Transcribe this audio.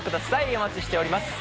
お待ちしております。